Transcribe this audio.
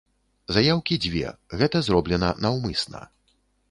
Заяўкі дзве, гэта зроблена наўмысна.